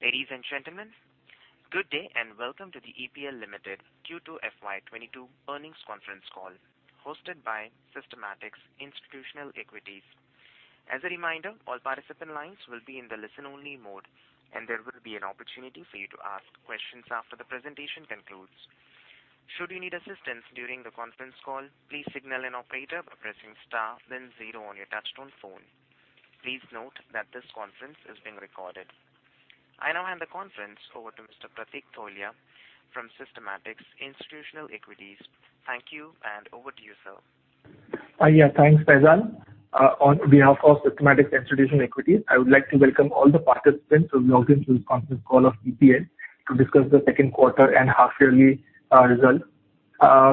Ladies and gentlemen, good day, and welcome to the EPL Limited Q2 FY 2022 Earnings Conference Call hosted by Systematix Institutional Equities. As a reminder, all participant lines will be in the listen-only mode, and there will be an opportunity for you to ask questions after the presentation concludes. Should you need assistance during the conference call, please signal an operator by pressing star then zero on your touchtone phone. Please note that this conference is being recorded. I now hand the conference over to Mr. Pratik Tholiya from Systematix Institutional Equities. Thank you, and over to you, sir. Thanks, Faizal. On behalf of Systematix Institutional Equities, I would like to welcome all the participants who've logged in to this conference call of EPL to discuss the Q2 and half yearly results.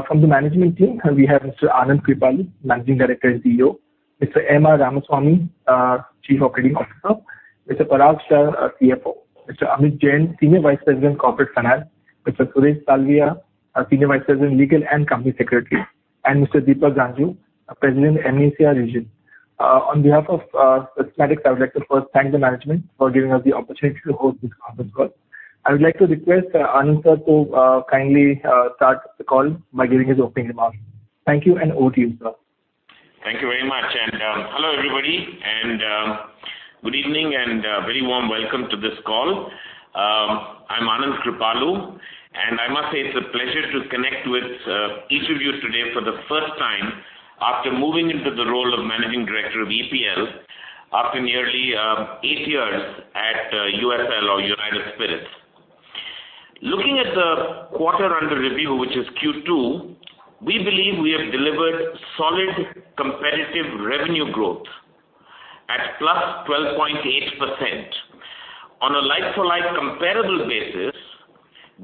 From the management team, we have Mr. Anand Kripalu, Managing Director and CEO, Mr. M. R. Ramasamy, our Chief Operating Officer, Mr. Parag Shah, our CFO, Mr. Amit Jain, Senior Vice President, Corporate Finance, Mr. Suresh Savaliya, our Senior Vice President, Legal and Company Secretary, and Mr. Deepak Ganjoo, President, AMESA Region. On behalf of Systematix, I would like to first thank the management for giving us the opportunity to host this conference call. I would like to request Anand, sir, to kindly start the call by giving his opening remarks. Thank you, and over to you, sir. Thank you very much. Hello, everybody, and good evening and a very warm welcome to this call. I'm Anand Kripalu, and I must say it's a pleasure to connect with each of you today for the first time after moving into the role of Managing Director of EPL after nearly eight years at USL or United Spirits. Looking at the quarter under review, which is Q2, we believe we have delivered solid competitive revenue growth at +12.8%. On a like-for-like comparable basis,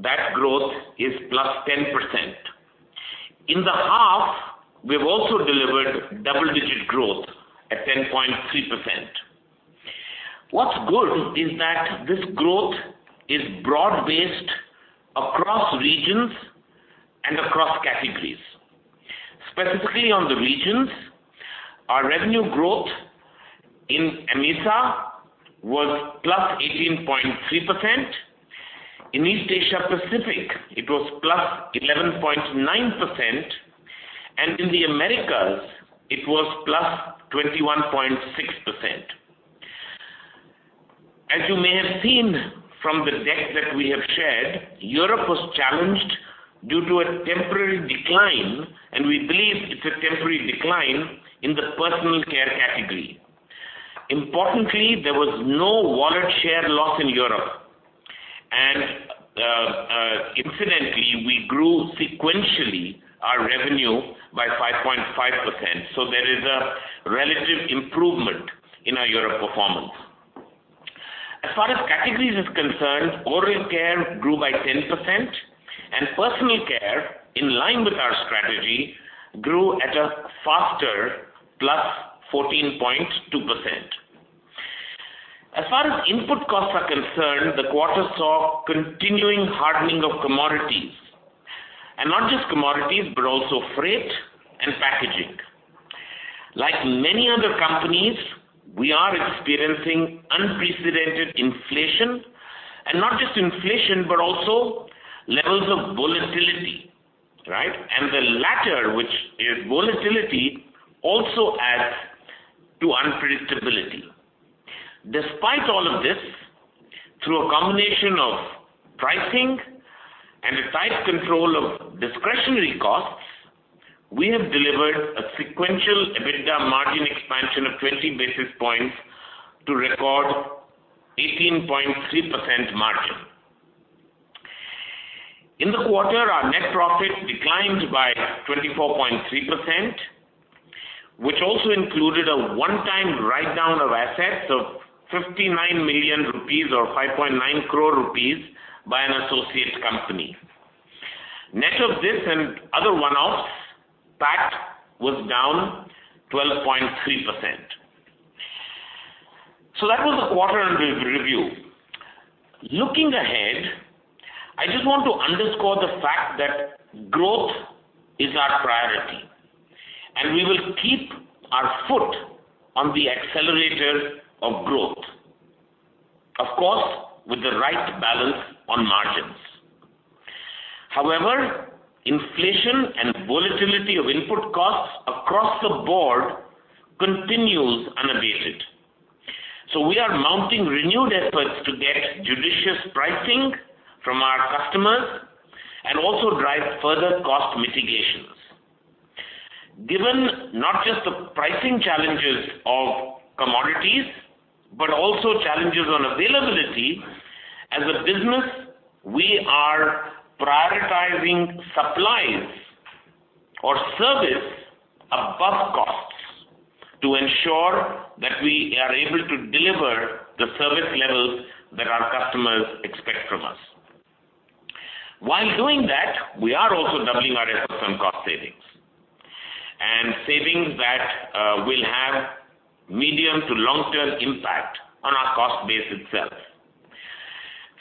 that growth is +10%. In the half, we've also delivered double-digit growth at 10.3%. What's good is that this growth is broad-based across regions and across categories. Specifically on the regions, our revenue growth in AMESA was +18.3%. In East Asia Pacific, it was +11.9%, and in the Americas, it was +21.6%. As you may have seen from the deck that we have shared, Europe was challenged due to a temporary decline, and we believe it's a temporary decline in the personal care category. Importantly, there was no wallet share loss in Europe. Incidentally, we grew sequentially our revenue by 5.5%, so there is a relative improvement in our Europe performance. As far as categories is concerned, oral care grew by 10%, and personal care, in line with our strategy, grew at a faster +14.2%. As far as input costs are concerned, the quarter saw continuing hardening of commodities. Not just commodities, but also freight and packaging. Like many other companies, we are experiencing unprecedented inflation. Not just inflation, but also levels of volatility, right? The latter, which is volatility, also adds to unpredictability. Despite all of this, through a combination of pricing and a tight control of discretionary costs, we have delivered a sequential EBITDA margin expansion of 20 basis points to record 18.3% margin. In the quarter, our net profit declined by 24.3%, which also included a one-time write-down of assets of 59 million rupees or 5.9 crore rupees by an associate company. Net of this and other one-offs, PAT was down 12.3%. That was the quarter under review. Looking ahead, I just want to underscore the fact that growth is our priority, and we will keep our foot on the accelerator of growth, of course, with the right balance on margins. However, inflation and volatility of input costs across the board continues unabated. We are mounting renewed efforts to get judicious pricing from our customers and also drive further cost mitigations. Given not just the pricing challenges of commodities, but also challenges on availability, as a business, we are prioritizing supplies or service above costs to ensure that we are able to deliver the service levels that our customers expect from us. While doing that, we are also doubling our efforts on cost savings, and savings that will have medium to long-term impact on our cost base itself.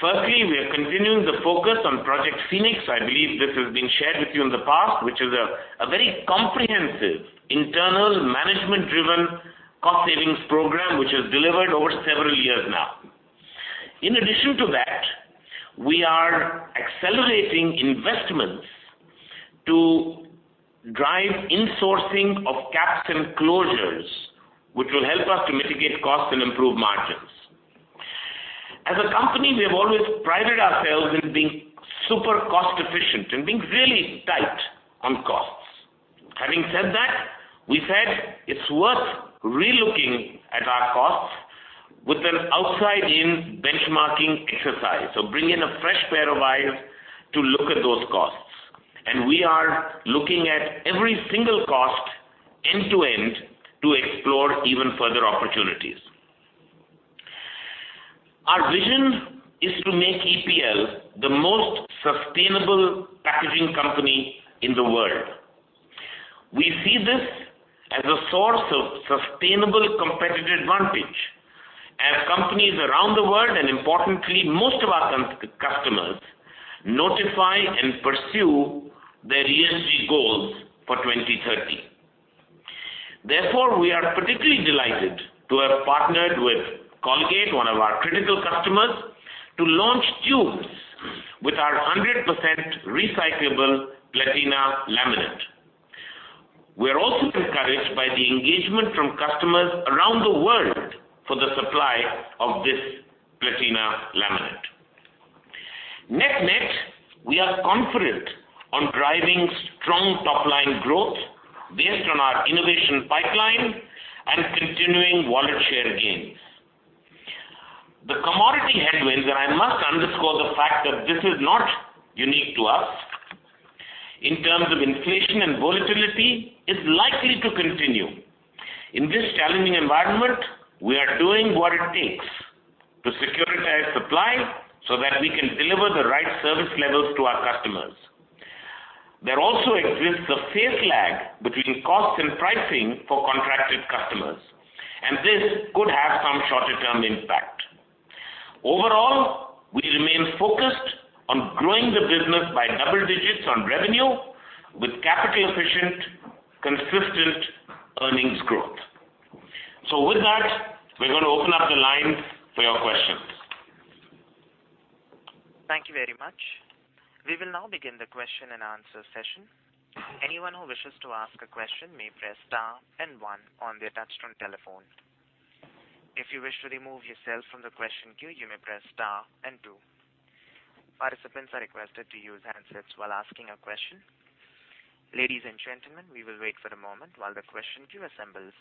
Firstly, we are continuing the focus on Project Phoenix. I believe this has been shared with you in the past, which is a very comprehensive internal management-driven cost savings program, which was delivered over several years now. In addition to that, we are accelerating investments to drive insourcing of caps and closures, which will help us to mitigate costs and improve margins. As a company, we have always prided ourselves in being super cost efficient and being really tight on costs. Having said that, we said it's worth re-looking at our costs with an outside-in benchmarking exercise. Bring in a fresh pair of eyes to look at those costs. We are looking at every single cost end-to-end to explore even further opportunities. Our vision is to make EPL the most sustainable packaging company in the world. We see this as a source of sustainable competitive advantage as companies around the world, and importantly, most of our customers notify and pursue their ESG goals for 2030. Therefore, we are particularly delighted to have partnered with Colgate-Palmolive, one of our critical customers, to launch tubes with our 100% recyclable Platina laminate. We are also encouraged by the engagement from customers around the world for the supply of this Platina laminate. Net/net, we are confident on driving strong top-line growth based on our innovation pipeline and continuing wallet share gains. The commodity headwinds, and I must underscore the fact that this is not unique to us, in terms of inflation and volatility, is likely to continue. In this challenging environment, we are doing what it takes to secure supply so that we can deliver the right service levels to our customers. There also exists a phase lag between cost and pricing for contracted customers, and this could have some shorter-term impact. Overall, we remain focused on growing the business by double digits on revenue with capital efficient, consistent earnings growth. With that, we're going to open up the line for your questions. Thank you very much. We will now begin the Q&A session. Anyone who wishes to ask a question may press star and one on their touch-tone telephone. If you wish to remove yourself from the question queue, you may press star and two. Participants are requested to use handsets while asking a question. Ladies and gentlemen, we will wait for a moment while the question queue assembles.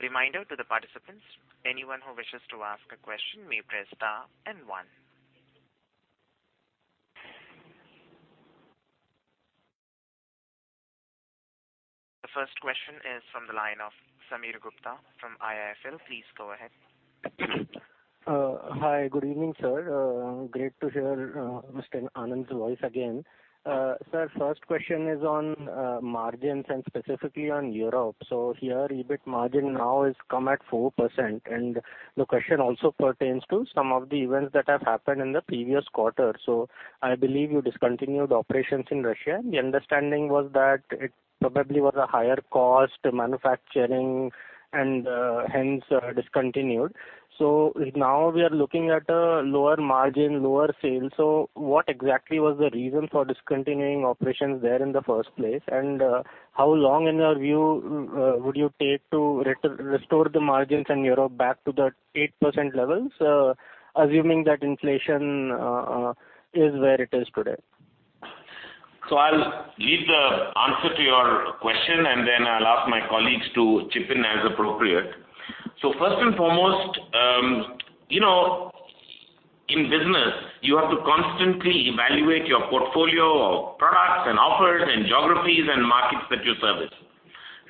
Reminder to the participants, anyone who wishes to ask a question may press star and one. The first question is from the line of Sameer Gupta from IIFL Securities. Please go ahead. Hi. Good evening, sir. Great to hear Mr. Anand's voice again. Sir, first question is on margins and specifically on Europe. Here, EBIT margin now has come at 4%, and the question also pertains to some of the events that have happened in the previous quarter. I believe you discontinued operations in Russia. The understanding was that it probably was a higher cost manufacturing and hence discontinued. Now we are looking at a lower margin, lower sales. What exactly was the reason for discontinuing operations there in the first place? How long, in your view, would you take to restore the margins in Europe back to the 8% levels, assuming that inflation is where it is today? I'll lead the answer to your question, and then I'll ask my colleagues to chip in as appropriate. First and foremost, you know, in business, you have to constantly evaluate your portfolio of products and offers and geographies and markets that you service,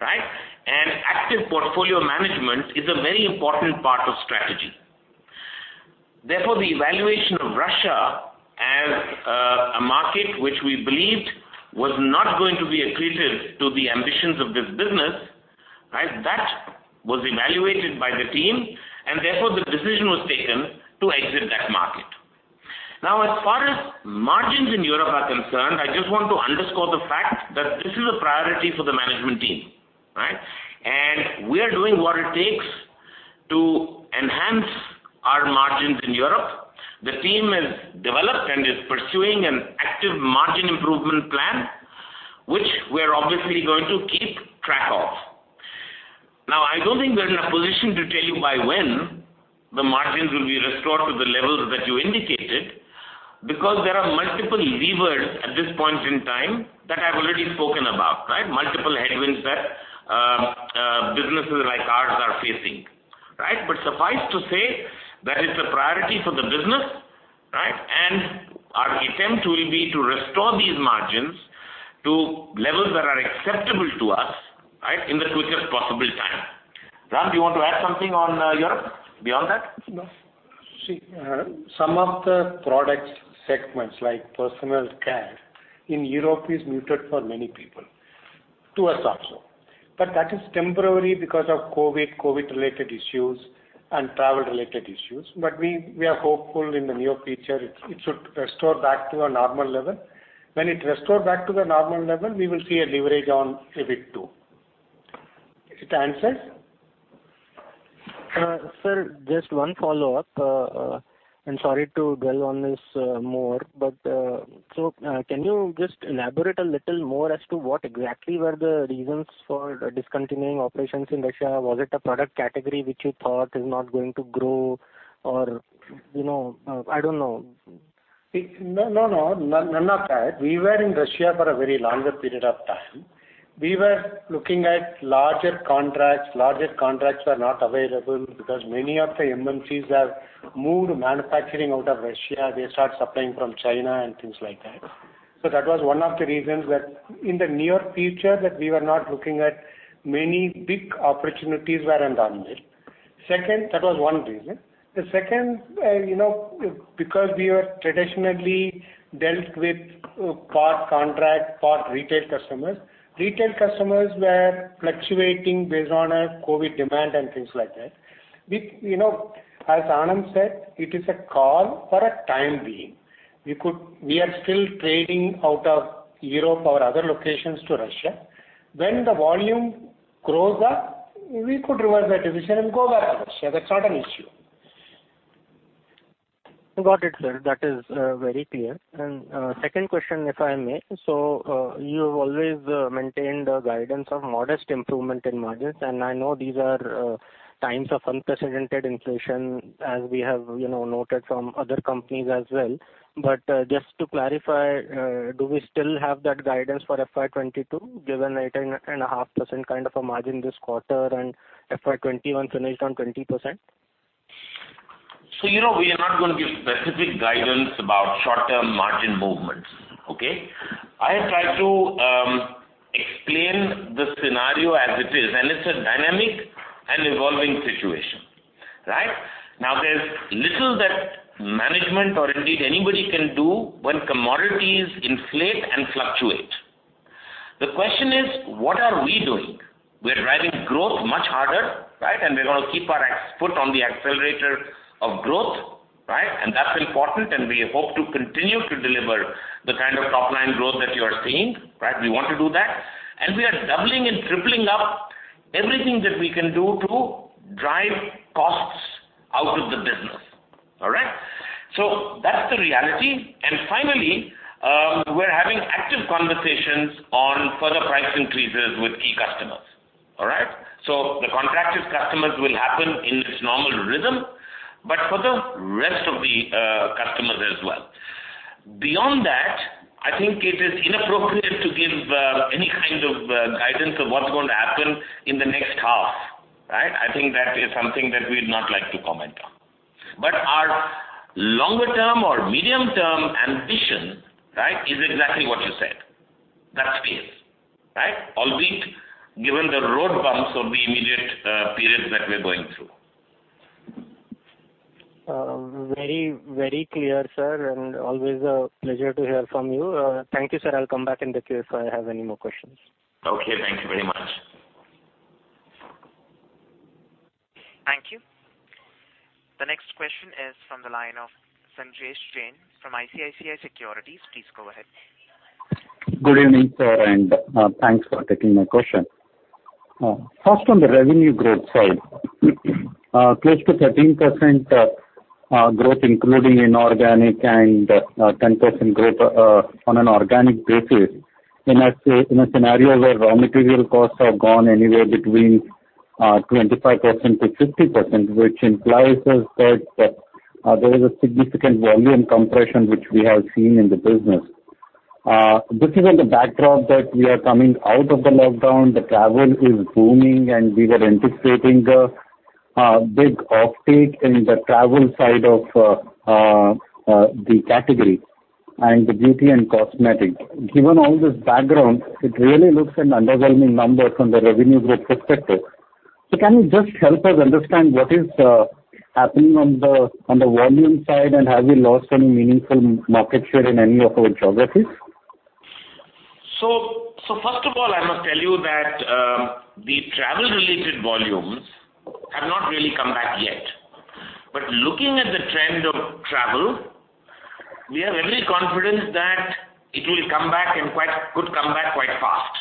right? Active portfolio management is a very important part of strategy. Therefore, the evaluation of Russia as a market which we believed was not going to be accretive to the ambitions of this business, right? That was evaluated by the team, and therefore, the decision was taken to exit that market. Now, as far as margins in Europe are concerned, I just want to underscore the fact that this is a priority for the management team, right? We are doing what it takes to enhance our margins in Europe. The team has developed and is pursuing an active margin improvement plan, which we are obviously going to keep track of. Now, I don't think we're in a position to tell you by when the margins will be restored to the levels that you indicated, because there are multiple levers at this point in time that I've already spoken about, right? Multiple headwinds that businesses like ours are facing, right? Suffice to say, that is a priority for the business, right? Our attempt will be to restore these margins to levels that are acceptable to us, right, in the quickest possible time. Ram, do you want to add something on Europe beyond that? No. See, some of the product segments, like personal care in Europe, is muted for many people, to us also. That is temporary because of COVID-related issues. Travel related issues. We are hopeful in the near future it should restore back to a normal level. When it restore back to the normal level, we will see a leverage on EBIT too. It answers? Sir, just one follow-up. Sorry to dwell on this more. Can you just elaborate a little more as to what exactly were the reasons for discontinuing operations in Russia? Was it a product category which you thought is not going to grow or, you know, I don't know. No, no. None of that. We were in Russia for a very longer period of time. We were looking at larger contracts. Larger contracts were not available because many of the MNCs have moved manufacturing out of Russia. They start supplying from China and things like that. That was one of the reasons that in the near future that we were not looking at many big opportunities were in Russia. Second. That was one reason. The second, you know, because we were traditionally dealt with part contract, part retail customers. Retail customers were fluctuating based on, COVID demand and things like that. We, you know, as Anand said, it is a call for a time being. We are still trading out of Europe or other locations to Russia. When the volume grows up, we could revise that decision and go back to Russia. That's not an issue. Got it, sir. That is very clear. Second question, if I may. You've always maintained a guidance of modest improvement in margins, and I know these are times of unprecedented inflation, as we have, you know, noted from other companies as well. Just to clarify, do we still have that guidance for FY 2022, given 18.5% kind of a margin this quarter and FY 2021 finished on 20%? you know, we are not gonna give specific guidance about short-term margin movements. Okay? I have tried to explain the scenario as it is, and it's a dynamic and evolving situation, right? Now, there's little that management or indeed anybody can do when commodities inflate and fluctuate. The question is, what are we doing? We're driving growth much harder, right? We're gonna keep our foot on the accelerator of growth, right? That's important, and we hope to continue to deliver the kind of top-line growth that you are seeing, right? We want to do that. We are doubling and tripling up everything that we can do to drive costs out of the business. All right? That's the reality. Finally, we're having active conversations on further price increases with key customers, all right? The contracted customers will happen in its normal rhythm, but for the rest of the customers as well. Beyond that, I think it is inappropriate to give any kind of guidance of what's going to happen in the next half, right? I think that is something that we'd not like to comment on. Our longer-term or medium-term ambition, right, is exactly what you said. That's clear, right? Albeit given the road bumps of the immediate period that we're going through. Very clear, sir. Always a pleasure to hear from you. Thank you, sir. I'll come back in the queue if I have any more questions. Okay. Thank you very much. Thank you. The next question is from the line of Sanjesh Jain from ICICI Securities. Please go ahead. Good evening, sir, and thanks for taking my question. First on the revenue growth side, close to 13% growth including inorganic and 10% growth on an organic basis. In a scenario where raw material costs have gone anywhere between 25% to 50%, which implies that there is a significant volume compression which we have seen in the business. This is on the backdrop that we are coming out of the lockdown, the travel is booming, and we were anticipating a big uptake in the travel side of the category and the beauty and cosmetics. Given all this background, it really looks like an underwhelming number from the revenue growth perspective. Can you just help us understand what is happening on the volume side and have we lost any meaningful market share in any of our geographies? First of all, I must tell you that the travel-related volumes have not really come back yet. Looking at the trend of travel, we are very confident that it will come back and could come back quite fast.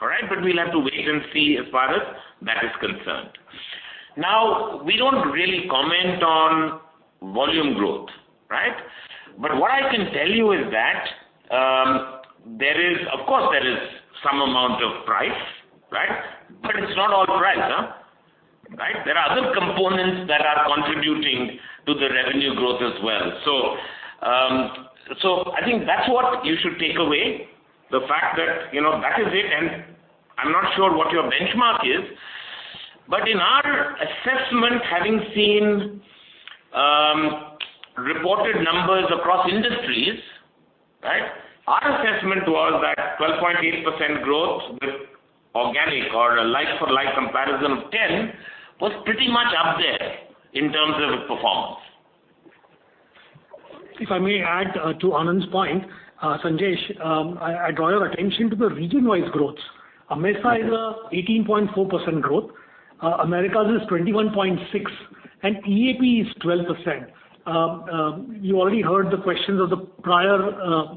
All right? We'll have to wait and see as far as that is concerned. Now, we don't really comment on volume growth, right? What I can tell you is that there is, of course, some amount of price, right? It's not all price, huh. Right? There are other components that are contributing to the revenue growth as well. I think that's what you should take away, the fact that, you know, that is it and I'm not sure what your benchmark is, but in our assessment, having seen reported numbers across industries, right, our assessment was that 12.8% growth with organic or a like-for-like comparison of 10% was pretty much up there in terms of performance. If I may add to Anand's point, Sanjesh, I draw your attention to the region-wise growths. AMESA is 18.4% growth, Americas is 21.6%, and EAP is 12%. You already heard the questions of the prior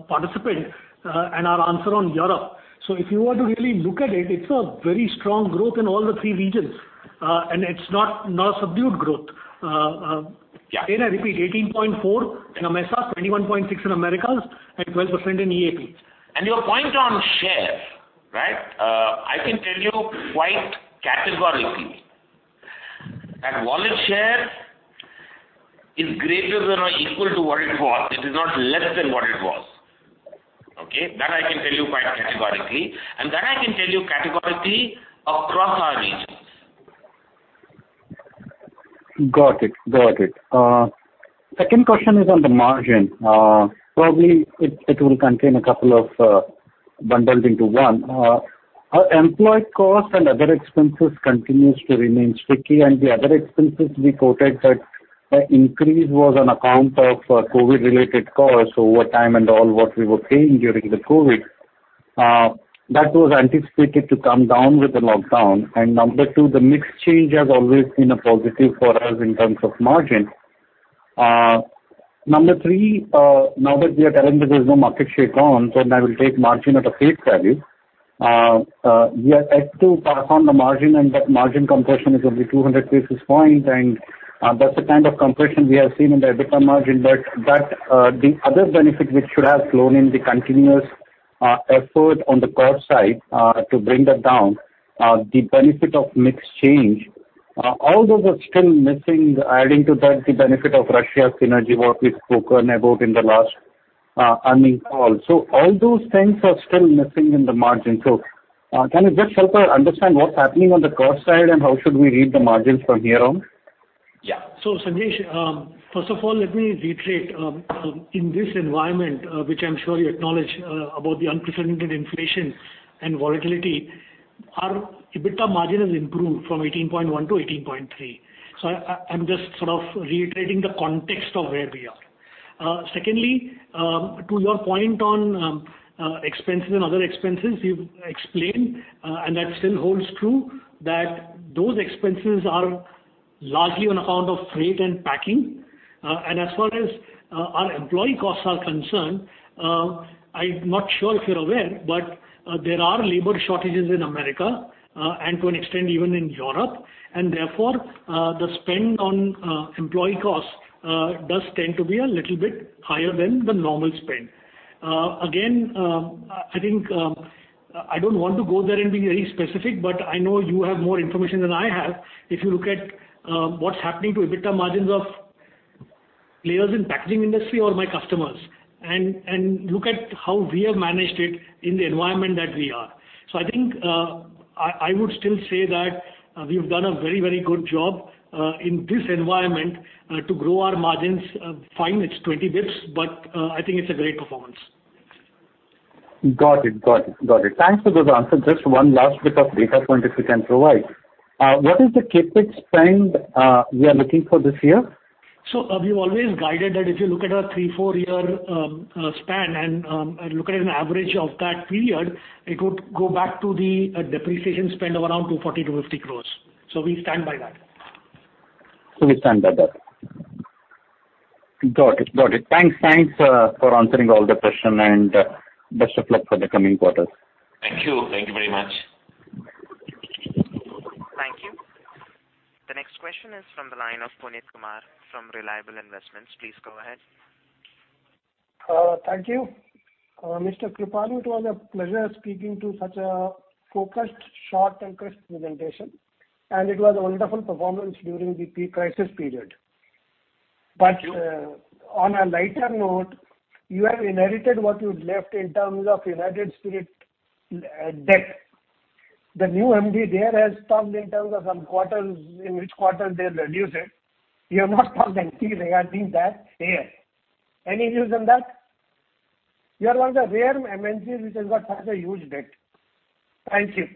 participant and our answer on Europe. If you were to really look at it's a very strong growth in all three regions, and it's not a subdued growth. Yeah. Again, I repeat, 18.4% in AMESA, 21.6% in Americas, and 12% in EAP. Your point on share, right? I can tell you quite categorically that wallet share is greater than or equal to what it was. It is not less than what it was. Okay? That I can tell you quite categorically, and that I can tell you categorically across our regions. Got it. Second question is on the margin. Probably it will contain a couple of bundled into one. Our employee costs and other expenses continues to remain sticky, and the other expenses we quoted that the increase was on account of COVID-related costs, overtime and all what we were paying during the COVID. That was anticipated to come down with the lockdown. Number two, the mix change has always been a positive for us in terms of margin. Number three, now that we are telling that there's no market share gone, so now we'll take margin at face value. We are yet to pass on the margin, and that margin compression is only 200 basis points, and that's the kind of compression we have seen in the EBITDA margin. That, the other benefit which should have flowed in the continuous effort on the cost side to bring that down, the benefit of mix change, all those are still missing. Adding to that, the benefit of Russia synergy, what we've spoken about in the last earnings call. All those things are still missing in the margin. Can you just help us understand what's happening on the cost side and how should we read the margin from here on? Yeah. Sanjesh, first of all, let me reiterate, in this environment, which I'm sure you acknowledge, about the unprecedented inflation and volatility, our EBITDA margin has improved from 18.1% to 18.3%. I'm just sort of reiterating the context of where we are. Secondly, to your point on expenses and other expenses, we've explained, and that still holds true, that those expenses are largely on account of freight and packing. As far as our employee costs are concerned, I'm not sure if you're aware, but there are labor shortages in America, and to an extent even in Europe, and therefore, the spend on employee costs does tend to be a little bit higher than the normal spend. Again, I think I don't want to go there and be very specific, but I know you have more information than I have. If you look at what's happening to EBITDA margins of players in packaging industry or my customers and look at how we have managed it in the environment that we are. I think I would still say that we've done a very, very good job in this environment to grow our margins. Fine, it's 20 basis points, but I think it's a great performance. Got it. Thanks for those answers. Just one last bit of data point if you can provide. What is the CapEx spend we are looking for this year? We've always guided that if you look at a three to four year span and look at an average of that period, it could go back to the depreciation spend of around 240 to 250 crores. We stand by that. We stand by that. Got it. Thanks for answering all the question, and best of luck for the coming quarters. Thank you. Thank you very much. Thank you. The next question is from the line of Punit Kumar from Reliable Investments. Please go ahead. Thank you. Mr. Kripalu, it was a pleasure speaking to such a focused, short, and crisp presentation, and it was a wonderful performance during the pre-crisis period. On a lighter note, you have inherited what you left in terms of United Spirits debt. The new MD there has talked in terms of some quarters in which quarter they'll reduce it. You have not talked anything regarding that here. Any views on that? You are one of the rare MNCs which has got such a huge debt. Thank you.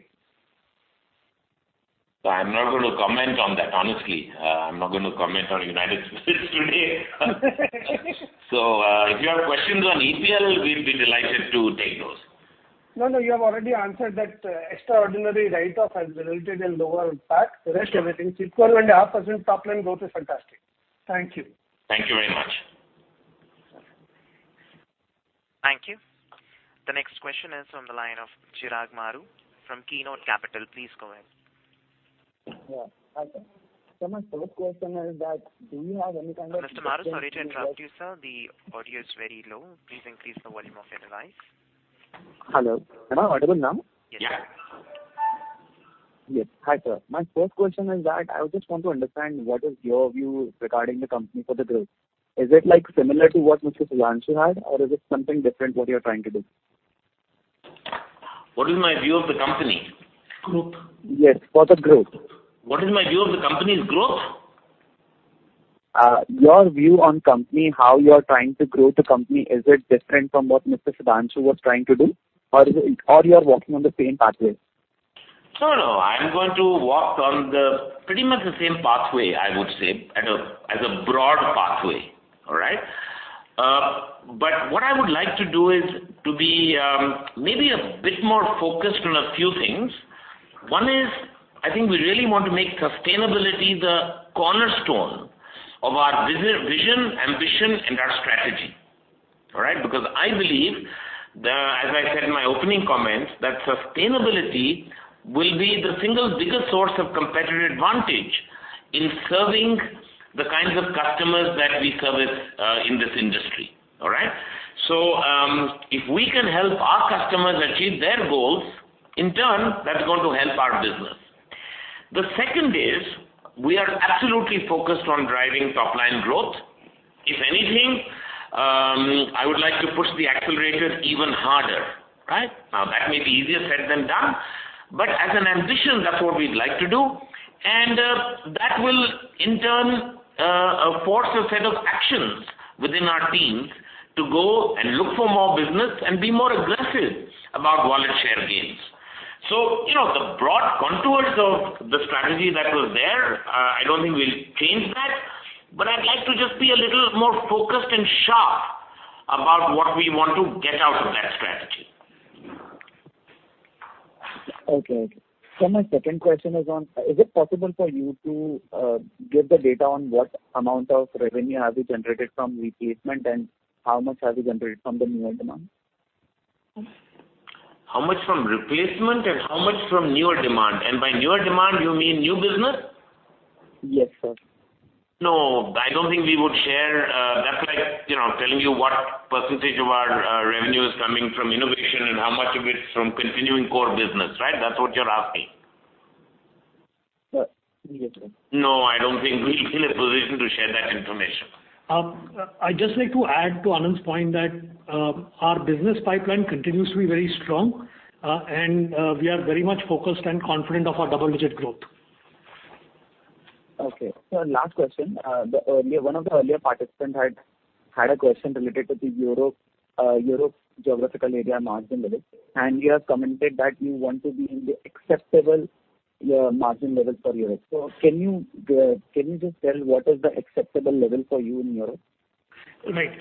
I'm not gonna comment on that, honestly. I'm not gonna comment on United Spirits today. If you have questions on EPL, we'd be delighted to take those. No, no, you have already answered that extraordinary write-off has resulted in lower impact. The rest everything, 3.5% top-line growth is fantastic. Thank you. Thank you very much. Thank you. The next question is on the line of Chirag Maroo from Keynote Capitals. Please go ahead. Yeah. My first question is that do you have any kind of? Mr. Maroo, sorry to interrupt you, sir. The audio is very low. Please increase the volume of your device. Hello, am I audible now? Yes. Yeah. Yes. Hi, sir. My first question is that I just want to understand what is your view regarding the company for the growth. Is it like similar to what Mr. Sudhanshu had or is it something different what you're trying to do? What is my view of the company? Growth. Yes, for the growth. What is my view of the company's growth? Your view on the company, how you are trying to grow the company. Is it different from what Mr. Sudhanshu was trying to do or you are walking on the same pathway? No, no, I'm going to walk on the pretty much the same pathway, I would say, as a broad pathway. All right. But what I would like to do is to be maybe a bit more focused on a few things. One is, I think we really want to make sustainability the cornerstone of our vision, ambition, and our strategy. All right. Because I believe, as I said in my opening comments, that sustainability will be the single biggest source of competitive advantage in serving the kinds of customers that we service in this industry. All right. If we can help our customers achieve their goals, in turn, that's going to help our business. The second is we are absolutely focused on driving top-line growth. If anything, I would like to push the accelerator even harder, right. Now, that may be easier said than done, but as an ambition, that's what we'd like to do. That will in turn force a set of actions within our teams to go and look for more business and be more aggressive about wallet share gains. You know, the broad contours of the strategy that was there, I don't think we'll change that, but I'd like to just be a little more focused and sharp about what we want to get out of that strategy. Okay. My second question is on. Is it possible for you to give the data on what amount of revenue have you generated from replacement, and how much have you generated from the newer demand? How much from replacement and how much from newer demand? By newer demand, you mean new business? Yes, sir. No, I don't think we would share. That's like, you know, telling you what percentage of our revenue is coming from innovation and how much of it is from continuing core business, right? That's what you're asking. Yes, sir. No, I don't think we're in a position to share that information. I'd just like to add to Anand's point that our business pipeline continues to be very strong, and we are very much focused and confident of our double-digit growth. Okay. Sir, last question. One of the earlier participant had a question related to the Europe geographical area margin levels, and you have commented that you want to be in the acceptable margin levels for Europe. Can you just tell what is the acceptable level for you in Europe? Right.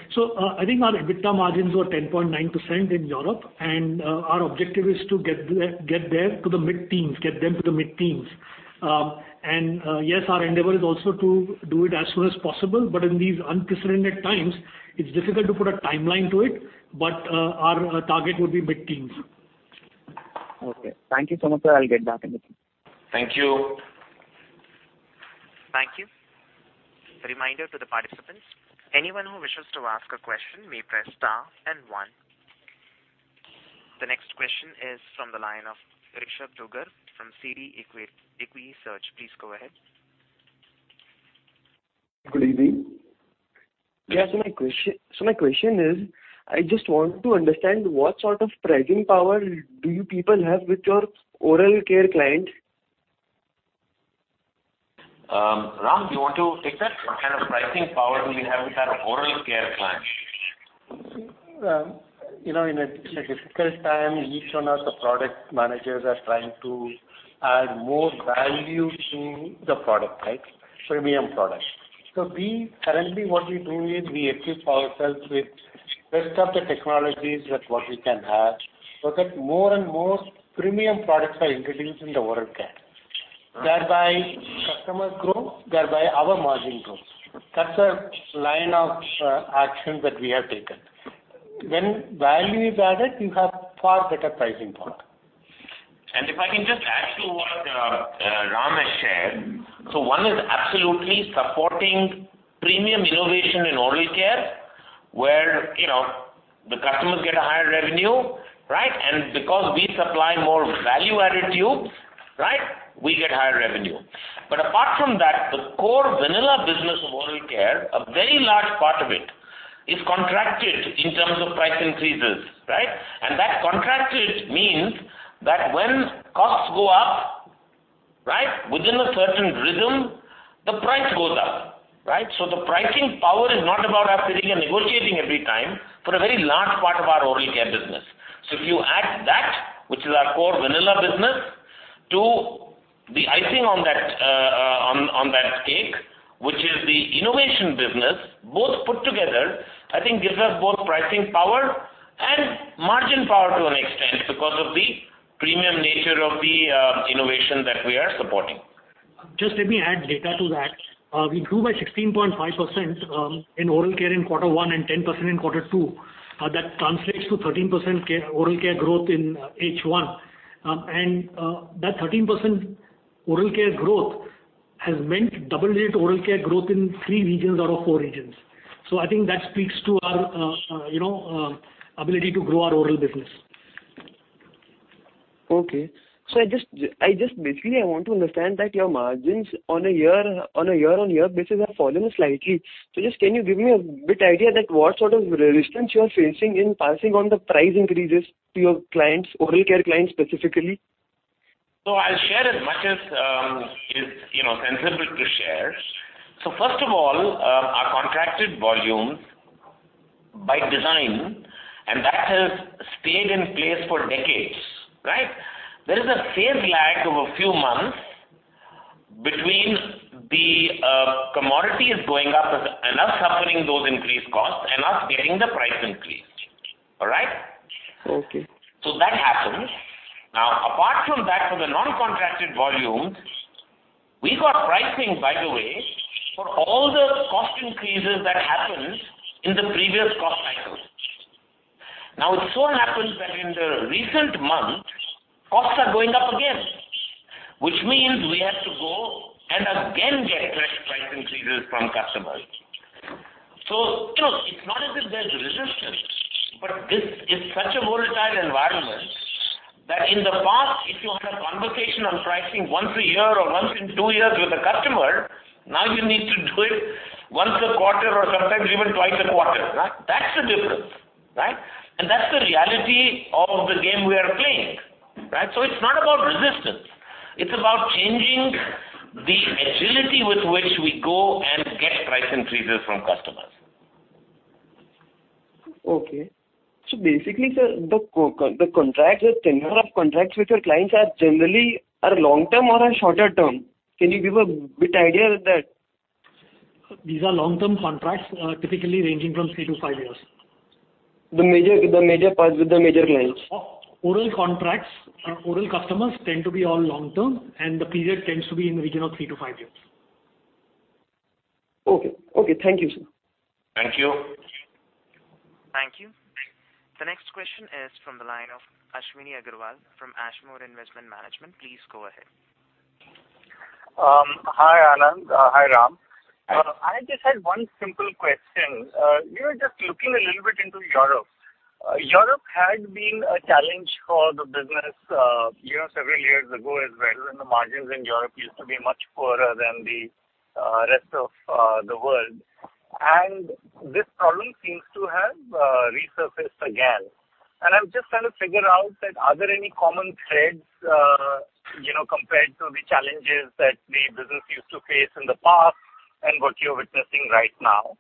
I think our EBITDA margins were 10.9% in Europe, and our objective is to get them to the mid-teens. Yes, our endeavor is also to do it as soon as possible, but in these unprecedented times, it's difficult to put a timeline to it. Our target would be mid-teens. Okay. Thank you so much, sir. I'll get back in touch. Thank you. Thank you. A reminder to the participants. Anyone who wishes to ask a question may press star and one. The next question is from the line of Rishab Dugar from CD Equisearch. Please go ahead. Good evening. Yeah, my question is, I just want to understand what sort of pricing power do you people have with your oral care client? Ram, do you want to take that? What kind of pricing power do we have with our oral care clients? You know, in a difficult time, each one of the product managers are trying to add more value to the product, right, premium products. Currently, what we do is we equip ourselves with best of the technologies that what we can have, so that more and more premium products are introduced in the oral care. Thereby customer grows, thereby our margin grows. That's a line of action that we have taken. When value is added, you have far better pricing power. If I can just add to what Ram has shared. One is absolutely supporting premium innovation in oral care, where, you know, the customers get a higher revenue, right? Because we supply more value added to you, right, we get higher revenue. Apart from that, the core vanilla business of oral care, a very large part of it is contracted in terms of price increases, right? That contracted means that when costs go up, right, within a certain rhythm, the price goes up, right? The pricing power is not about us sitting and negotiating every time for a very large part of our oral care business. If you add that, which is our core vanilla business, to the icing on that cake, which is the innovation business, both put together, I think gives us both pricing power and margin power to an extent because of the premium nature of the innovation that we are supporting. Just let me add data to that. We grew by 16.5% in oral care in Q1 and 10% in Q2. That translates to 13% oral care growth in H1. That 13% oral care growth has meant double-digit oral care growth in three regions out of four regions. I think that speaks to our, you know, ability to grow our oral business. I just basically want to understand that your margins on a year-on-year basis have fallen slightly. Can you give me a bit of an idea of what sort of resistance you are facing in passing on the price increases to your clients, oral care clients specifically? I'll share as much as is, you know, sensible to share. First of all, our contracted volumes. By design, and that has stayed in place for decades, right? There is a phase lag of a few months between the commodities going up and us suffering those increased costs and us getting the price increase. All right? Okay. That happens. Now, apart from that, for the non-contracted volumes, we got pricing, by the way, for all the cost increases that happened in the previous cost cycle. Now, it so happens that in the recent month, costs are going up again, which means we have to go and again get price increases from customers. You know, it's not as if there's resistance, but this is such a volatile environment that in the past if you had a conversation on pricing once a year or once in two years with a customer, now you need to do it once a quarter or sometimes even twice a quarter. That's the difference, right? That's the reality of the game we are playing, right? It's not about resistance, it's about changing the agility with which we go and get price increases from customers. Okay. Basically, sir, the contracts, the tenure of contracts with your clients are generally long-term or shorter term. Can you give a bit idea with that? These are long-term contracts, typically ranging from three to five years. The major partners, the major clients. Oral contracts or oral customers tend to be all long-term, and the period tends to be in the region of three to five years. Okay. Thank you, sir. Thank you. Thank you. The next question is from the line of Ashwini Agarwal from Ashmore Investment Management. Please go ahead. Hi, Anand. Hi, Ram. I just had one simple question. We were just looking a little bit into Europe. Europe had been a challenge for the business, you know, several years ago as well, and the margins in Europe used to be much poorer than the rest of the world. This problem seems to have resurfaced again. I'm just trying to figure out that are there any common threads, you know, compared to the challenges that the business used to face in the past and what you're witnessing right now?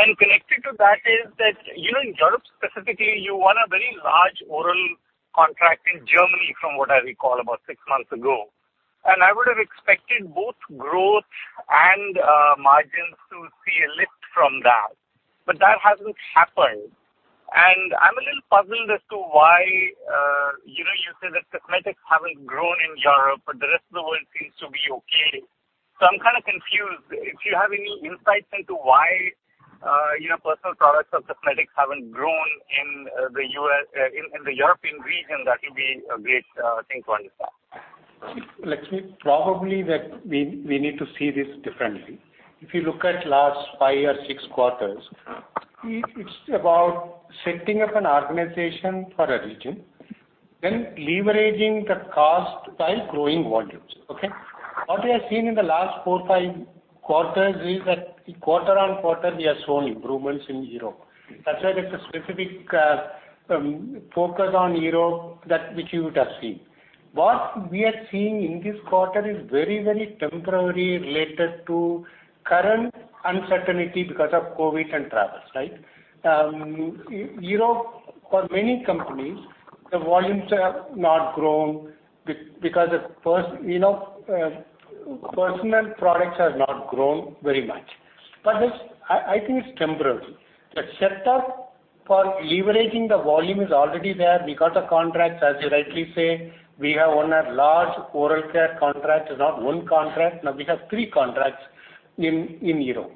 Connected to that is that, you know, in Europe specifically, you won a very large oral contract in Germany, from what I recall, about six months ago. I would have expected both growth and margins to see a lift from that, but that hasn't happened. I'm a little puzzled as to why, you know, you say that cosmetics haven't grown in Europe, but the rest of the world seems to be okay. I'm kind of confused. If you have any insights into why, you know, personal products or cosmetics haven't grown in the European region, that will be a great thing to understand. See, Ashwini, probably that we need to see this differently. If you look at last five or six quarters, it's about setting up an organization for a region, then leveraging the cost while growing volumes. Okay? What we have seen in the last four, five quarters is that quarter-over-quarter we have shown improvements in Europe. That's why there's a specific focus on Europe that which you would have seen. What we are seeing in this quarter is very, very temporary related to current uncertainty because of COVID and travels, right? Europe, for many companies, the volumes have not grown because the personal products have not grown very much, you know. This, I think it's temporary. The setup for leveraging the volume is already there. We got the contracts, as you rightly say, we have won a large oral care contract. It's not one contract, now we have three contracts in Europe.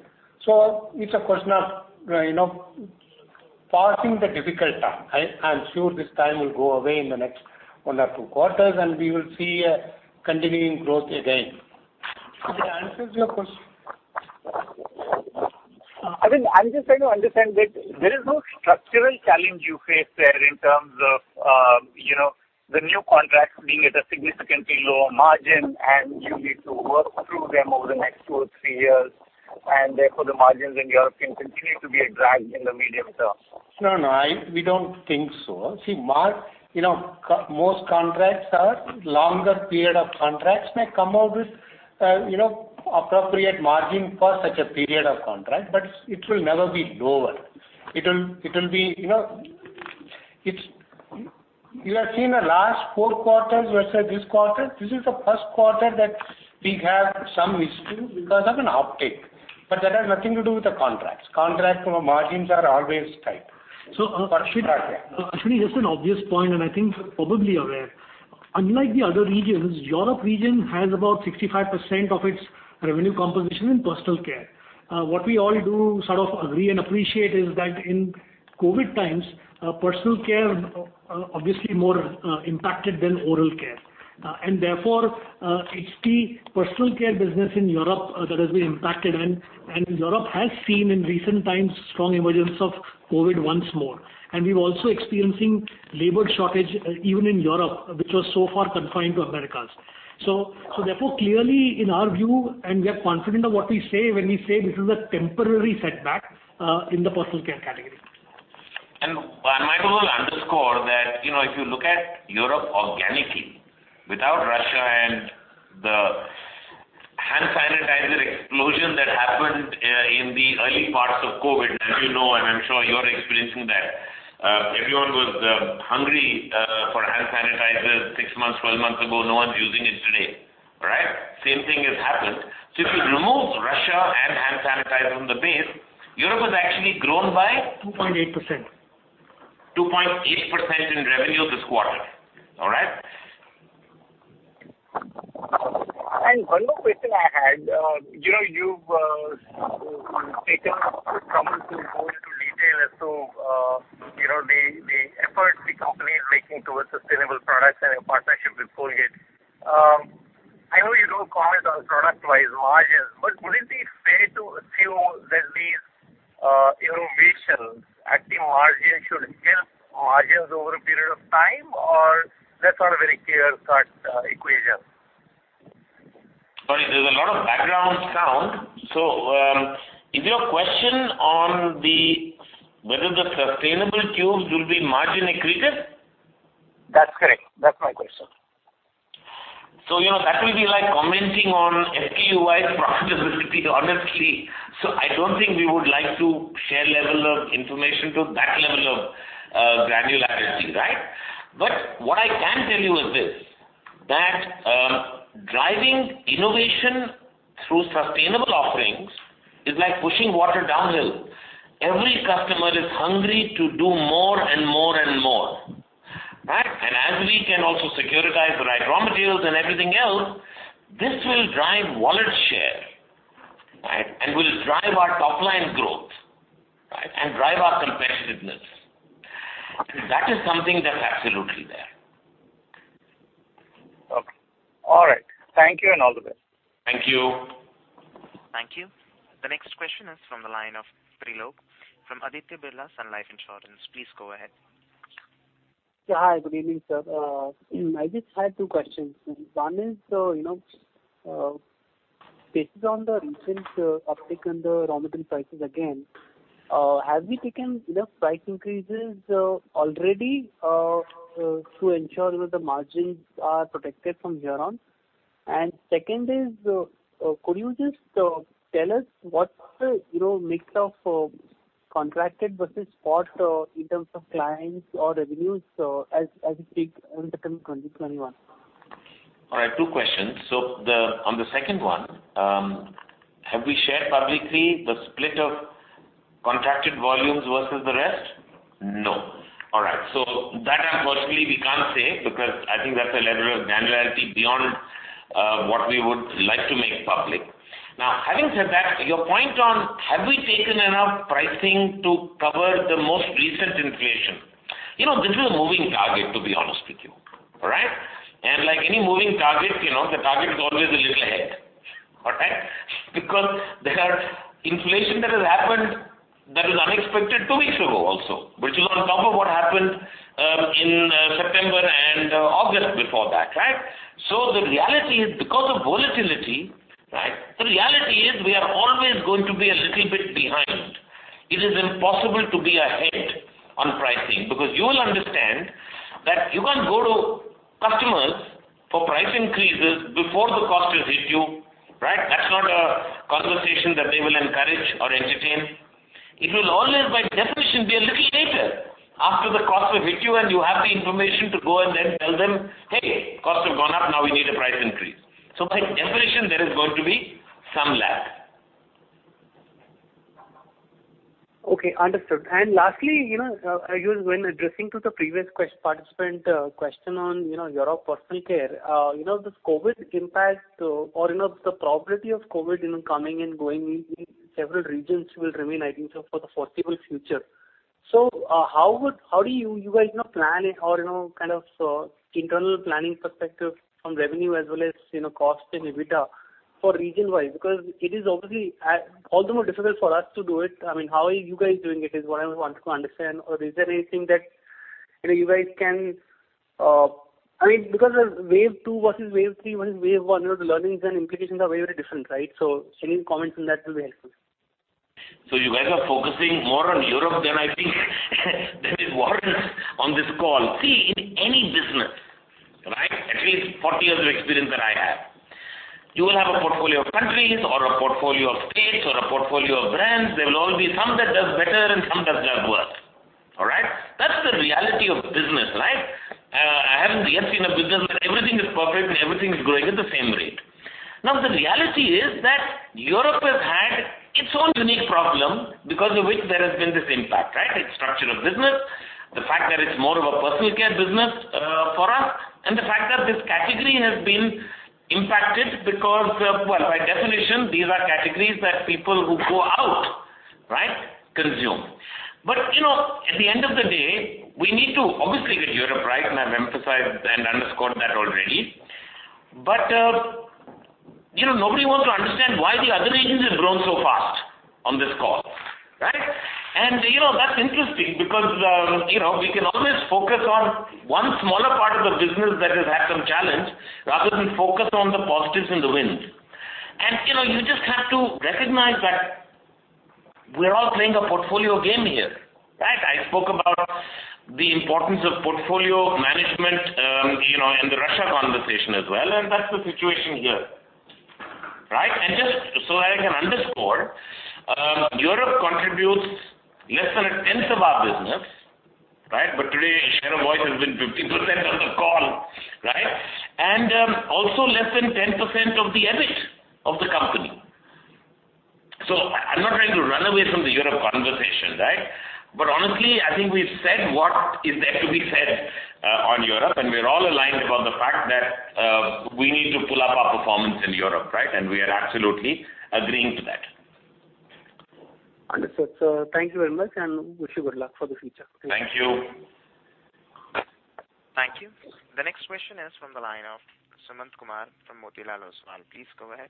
It's a question of, you know, passing the difficult time. I'm sure this time will go away in the next one or two quarters, and we will see a continuing growth again. If that answers your question. I mean, I'm just trying to understand that there is no structural challenge you face there in terms of, you know, the new contracts being at a significantly lower margin and you need to work through them over the next two or three years, and therefore the margins in Europe can continue to be a drag in the medium term. No, no, we don't think so. See, you know, most contracts are longer period of contracts may come out with, you know, appropriate margin for such a period of contract, but it will never be lower. It'll be. You know, it's you have seen the last four quarters versus this quarter. This is the Q1 that we have some issues because of an uptick, but that has nothing to do with the contracts. Contracts margins are always tight. Ashwini, just an obvious point, and I think you're probably aware. Unlike the other regions, Europe region has about 65% of its revenue composition in personal care. What we all do sort of agree and appreciate is that in COVID times, personal care obviously more impacted than oral care. Therefore, it's the personal care business in Europe that has been impacted. Europe has seen in recent times strong emergence of COVID once more. We're also experiencing labor shortage even in Europe, which was so far confined to Americas. Therefore, clearly in our view, and we are confident of what we say when we say this is a temporary setback in the personal care category. I might also underscore that, you know, if you look at Europe organically, without Russia and explosion that happened in the early parts of COVID, as you know, and I'm sure you're experiencing that. Everyone was hungry for hand sanitizers six months, 12 months ago. No one's using it today, right? Same thing has happened. If you remove Russia and hand sanitizer from the base, Europe has actually grown by? 2.8%. 2.8% in revenue this quarter. All right. One more question I had. You know, you've taken good trouble to go into detail as to, you know, the efforts the company is making towards sustainable products and your partnership with Colgate. I know you don't comment on product-wise margins, but would it be fair to assume that these innovations at the margins should help margins over a period of time, or that's not a very clear cut equation? Sorry. There's a lot of background sound. Is your question on whether the sustainable tubes will be margin accretive? That's correct. That's my question. You know, that will be like commenting on SKU-wise profitability honestly. I don't think we would like to share level of information to that level of granularity, right? What I can tell you is this, that, driving innovation through sustainable offerings is like pushing water downhill. Every customer is hungry to do more and more and more, right? As we can also secure the right raw materials and everything else, this will drive wallet share, right? Will drive our top line growth, right? Drive our competitiveness. That is something that's absolutely there. Okay. All right. Thank you and all the best. Thank you. Thank you. The next question is from the line of Prilok from Aditya Birla Sun Life Insurance. Please go ahead. Yeah. Hi. Good evening, sir. I just had two questions. One is, you know, based on the recent uptick in the raw material prices again, have we taken enough price increases already to ensure that the margins are protected from here on? And second is, could you just tell us what's the, you know, mix of contracted versus spot in terms of clients or revenues as we speak in the term 2021? All right. Two questions. On the second one, have we shared publicly the split of contracted volumes versus the rest? No. All right. That unfortunately we can't say because I think that's a level of granularity beyond what we would like to make public. Now, having said that, your point on have we taken enough pricing to cover the most recent inflation? You know, this is a moving target, to be honest with you. All right? Like any moving target, you know, the target is always a little ahead. All right? Because there are inflation that has happened that is unexpected two weeks ago also, which is on top of what happened in September and August before that, right? The reality is because of volatility, right, the reality is we are always going to be a little bit behind. It is impossible to be ahead on pricing because you will understand that you can't go to customers for price increases before the cost has hit you, right? That's not a conversation that they will encourage or entertain. It will always, by definition, be a little later after the cost will hit you and you have the information to go and then tell them, "Hey, costs have gone up. Now we need a price increase." By definition, there is going to be some lag. Okay, understood. Lastly, you know, you were addressing to the previous participant question on, you know, Europe personal care. You know, this COVID impact or, you know, the probability of COVID, you know, coming and going in several regions will remain, I think so, for the foreseeable future. How do you guys, you know, plan or, you know, kind of, internal planning perspective from revenue as well as, you know, cost and EBITDA for region-wise? Because it is obviously all the more difficult for us to do it. I mean, how are you guys doing it is what I want to understand. Is there anything that, you know, you guys can, I mean, because wave two versus wave three versus wave one, you know, the learnings and implications are very, very different, right? Any comments on that will be helpful. You guys are focusing more on Europe than I think there is warrants on this call. See, in any business, right, at least 40 years of experience that I have, you will have a portfolio of countries or a portfolio of states or a portfolio of brands. There will always be some that does better and some that does worse. All right? That's the reality of business, right? I haven't yet seen a business where everything is perfect and everything is growing at the same rate. Now, the reality is that Europe has had its own unique problem because of which there has been this impact, right? Its structure of business, the fact that it's more of a personal care business, for us, and the fact that this category has been impacted because of, well, by definition, these are categories that people who go out, right, consume. You know, at the end of the day, we need to obviously get Europe right, and I've emphasized and underscored that already. You know, nobody wants to understand why the other regions have grown so fast on this call, right? You know, that's interesting because, you know, we can always focus on one smaller part of the business that has had some challenge rather than focus on the positives and the wins. You know, you just have to recognize that we're all playing a portfolio game here, right? I spoke about the importance of portfolio management, you know, in the Russia conversation as well, and that's the situation here. Right? Just so I can underscore, Europe contributes less than a tenth of our business, right? Today, share of voice has been 50% on the call, right? also less than 10% of the EBIT of the company. I'm not trying to run away from the Europe conversation, right? Honestly, I think we've said what is there to be said, on Europe, and we're all aligned about the fact that, we need to pull up our performance in Europe, right? We are absolutely agreeing to that. Understood, sir. Thank you very much, and wish you good luck for the future. Thank you. Thank you. The next question is from the line of Sumant Kumar from Motilal Oswal Financial Services. Please go ahead.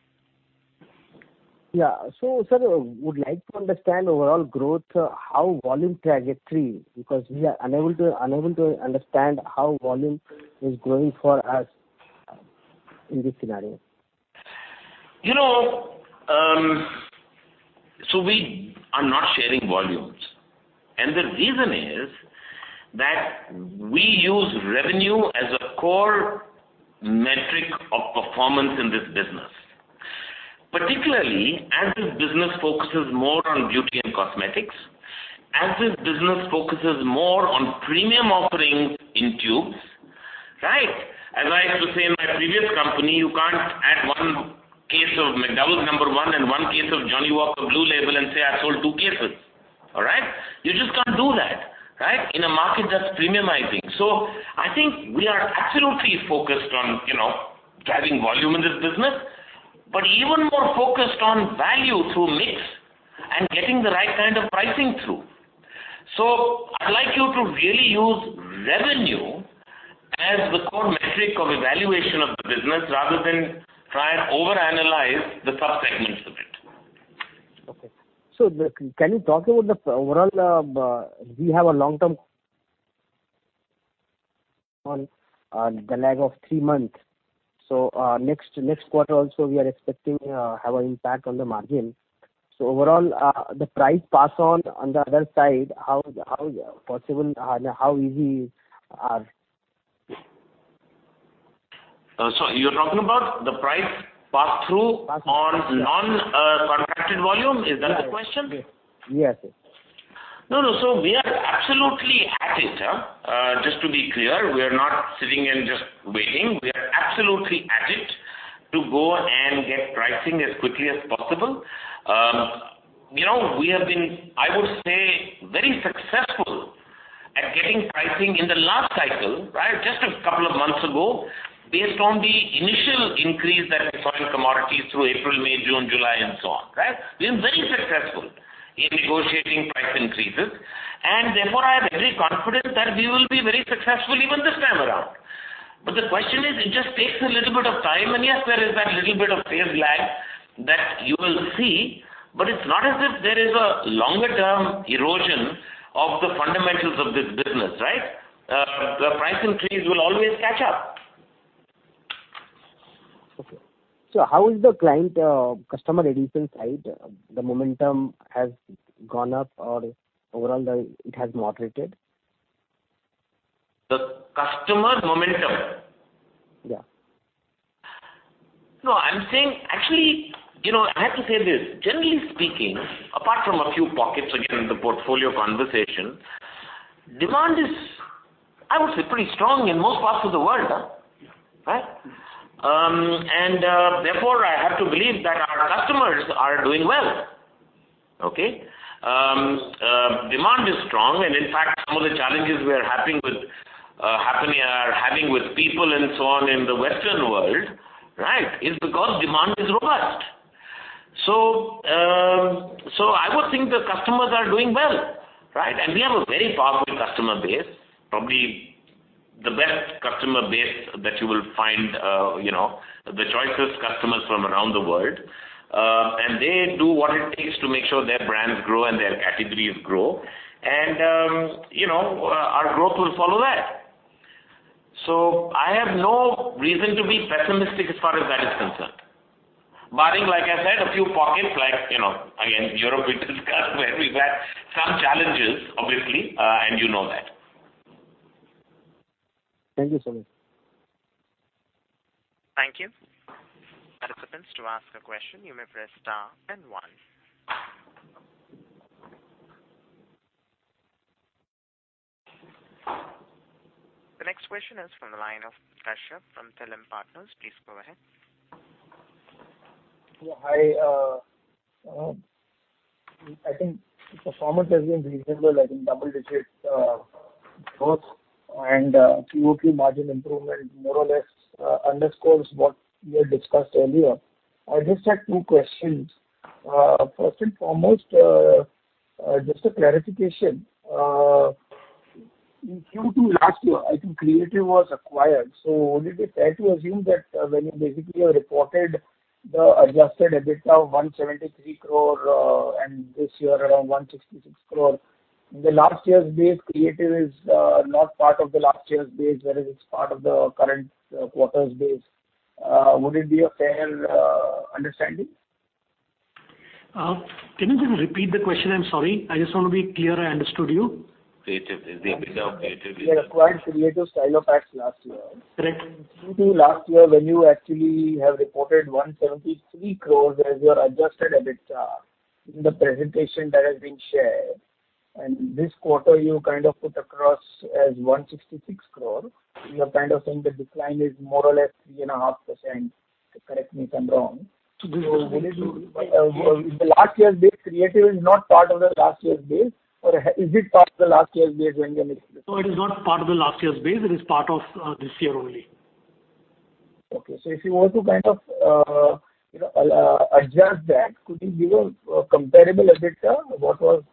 Yeah. I would like to understand overall growth, how volume trajectory, because we are unable to understand how volume is growing for us in this scenario. You know, we are not sharing volumes, and the reason is that we use revenue as a core metric of performance in this business, particularly as this business focuses more on beauty and cosmetics, as this business focuses more on premium offerings in tubes, right? As I used to say in my previous company, you can't add one case of McDowell's No.1 and one case of Johnnie Walker Blue Label and say, "I sold two cases." All right? You just can't do that, right, in a market that's premiumizing. I think we are absolutely focused on, you know, driving volume in this business, but even more focused on value through mix and getting the right kind of pricing through. I'd like you to really use revenue as the core metric of evaluation of the business rather than try and overanalyze the sub-segments of it. Okay. Can you talk about the overall, we have a long-term on the lag of three months. Next quarter also we are expecting have an impact on the margin. Overall, the price pass on on the other side, how possible and how easy are? You're talking about the price pass-through. Pass-through. on non-contracted volume? Is that the question? Yes. No, no. We are absolutely at it, just to be clear. We are not sitting and just waiting. We are absolutely at it to go and get pricing as quickly as possible. You know, we have been, I would say, very successful at getting pricing in the last cycle, right? Just a couple of months ago, based on the initial increase that we saw in commodities through April, May, June, July and so on. Right? We're very successful in negotiating price increases, and therefore, I have every confidence that we will be very successful even this time around. The question is, it just takes a little bit of time, and yes, there is that little bit of sales lag that you will see, but it's not as if there is a longer-term erosion of the fundamentals of this business, right? The price increase will always catch up. Okay. How is the client, customer addition side? The momentum has gone up or overall it has moderated? The customer momentum? Yeah. No, I'm saying. Actually, you know, I have to say this, generally speaking, apart from a few pockets, again, the portfolio conversation, demand is, I would say, pretty strong in most parts of the world, right? Therefore, I have to believe that our customers are doing well. Okay? Demand is strong, and in fact, some of the challenges we are having with having with people and so on in the Western world, right, is because demand is robust. I would think the customers are doing well, right? We have a very powerful customer base, probably the best customer base that you will find, you know, the choicest customers from around the world. They do what it takes to make sure their brands grow and their categories grow. You know, our growth will follow that. I have no reason to be pessimistic as far as that is concerned. Barring, like I said, a few pockets like, you know, again, Europe, which is where we've had some challenges, obviously, and you know that. Thank you, sir. Thank you. Participants, to ask a question, you may press star then one. The next question is from the line of Kashyap from PhillipCapital. Please go ahead. Yeah, hi. I think performance has been reasonable. I think double-digit growth and QOQ margin improvement more or less underscores what we had discussed earlier. I just had two questions. First and foremost, just a clarification. In Q2 last year, I think Creative was acquired, so would it be fair to assume that when you basically have reported the adjusted EBIT of 173 crore and this year around 166 crore, the last year's base Creative is not part of the last year's base whereas it's part of the current quarter's base? Would it be a fair understanding? Can you just repeat the question? I'm sorry. I just wanna be clear I understood you. Creative is the You acquired Creative Stylo Packs last year. Correct. Through last year when you actually have reported 173 crores as your adjusted EBITDA in the presentation that has been shared, and this quarter you kind of put across as 166 crore. You are kind of saying the decline is more or less 3.5%, correct me if I'm wrong. Will it be the last year's base Creative is not part of the last year's base or is it part of the last year's base when you are making this? No, it is not part of the last year's base. It is part of this year only. If you were to kind of, you know, adjust that, could you give a comparable EBITDA? What was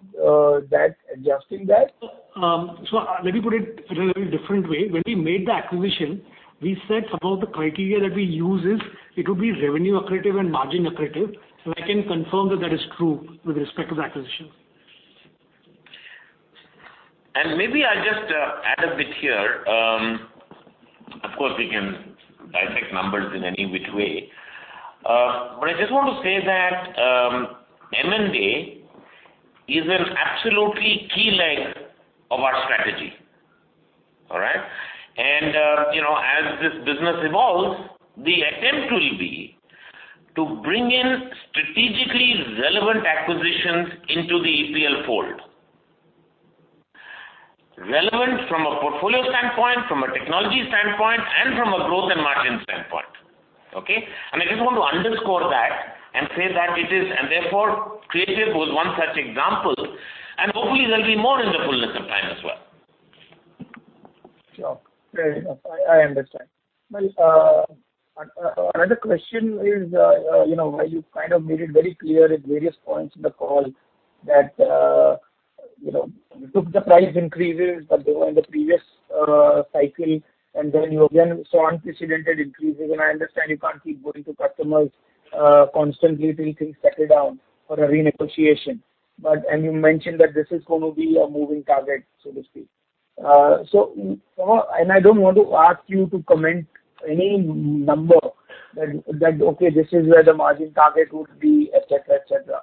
that adjusting that? let me put it in a very different way. When we made the acquisition, we said some of the criteria that we use is it would be revenue accretive and margin accretive. I can confirm that is true with respect to the acquisition. Maybe I'll just add a bit here. Of course, we can dissect numbers in any which way. But I just want to say that M&A is an absolutely key leg of our strategy. All right. You know, as this business evolves, the attempt will be to bring in strategically relevant acquisitions into the EPL fold. Relevant from a portfolio standpoint, from a technology standpoint, and from a growth and margin standpoint. Okay. I just want to underscore that and say that it is. Therefore, Creative was one such example, and hopefully there'll be more in the fullness of time as well. Sure. Fair enough. I understand. Well, another question is, you know, while you kind of made it very clear at various points in the call that, you know, you took the price increases, but they were in the previous cycle, and then you again saw unprecedented increases. I understand you can't keep going to customers constantly till things settle down for a renegotiation. You mentioned that this is gonna be a moving target, so to speak. I don't want to ask you to comment any number that, okay, this is where the margin target would be, et cetera, et cetera.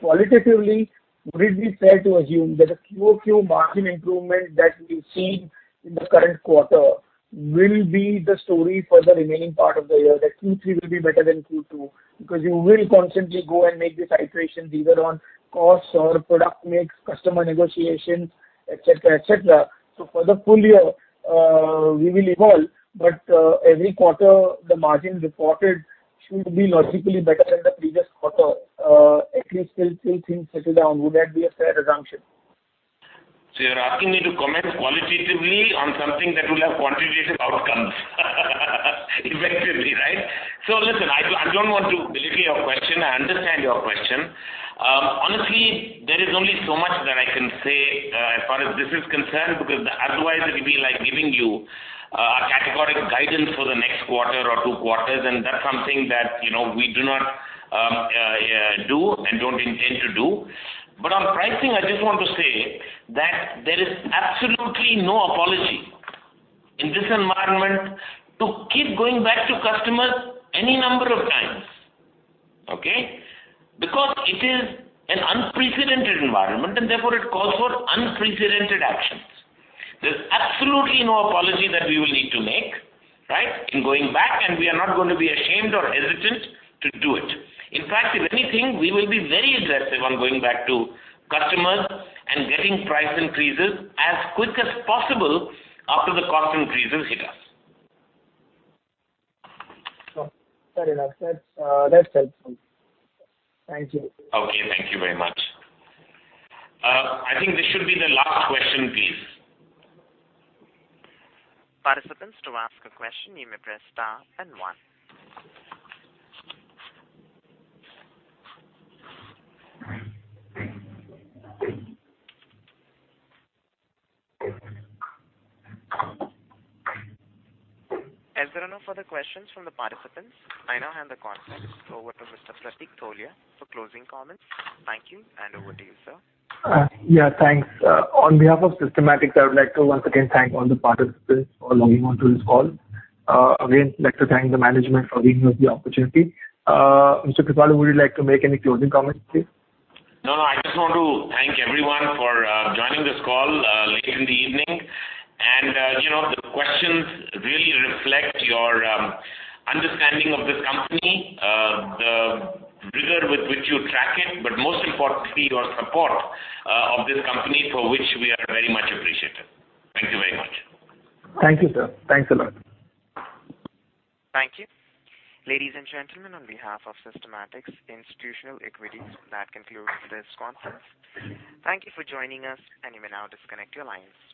Qualitatively, would it be fair to assume that the QOQ margin improvement that we've seen in the current quarter will be the story for the remaining part of the year, that Q3 will be better than Q2? Because you will constantly go and make these iterations either on costs or product mix, customer negotiations, et cetera, et cetera. For the full year, we will evolve, but, every quarter the margin reported should be logically better than the previous quarter, at least till things settle down. Would that be a fair assumption? You're asking me to comment qualitatively on something that will have quantitative outcomes effectively, right? Listen, I don't want to belittle your question. I understand your question. Honestly, there is only so much that I can say as far as this is concerned, because otherwise it would be like giving you a categoric guidance for the next quarter or two quarters, and that's something that, you know, we do not do and don't intend to do. On pricing, I just want to say that there is absolutely no apology in this environment to keep going back to customers any number of times. Okay? Because it is an unprecedented environment, and therefore it calls for unprecedented actions. There's absolutely no apology that we will need to make, right, in going back, and we are not gonna be ashamed or hesitant to do it. In fact, if anything, we will be very aggressive on going back to customers and getting price increases as quick as possible after the cost increases hit us. Oh. Fair enough. That's helpful. Thank you. Okay, thank you very much. I think this should be the last question, please. Participants, to ask a question, you may press star then one. As there are no further questions from the participants, I now hand the conference over to Mr. Pratik Tholiya for closing comments. Thank you, and over to you, sir. Yeah, thanks. On behalf of Systematix, I would like to once again thank all the participants for logging on to this call. Again, I'd like to thank the management for giving us the opportunity. Mr. Kripalu, would you like to make any closing comments, please? No, no. I just want to thank everyone for joining this call late in the evening. You know, the questions really reflect your understanding of this company, the rigor with which you track it, but most importantly, your support of this company, for which we are very much appreciative. Thank you very much. Thank you, sir. Thanks a lot. Thank you. Ladies and gentlemen, on behalf of Systematix Institutional Equities, that concludes this conference. Thank you for joining us, and you may now disconnect your lines.